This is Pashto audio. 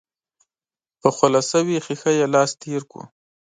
پر خوله شوې ښيښه يې لاس تېر کړ.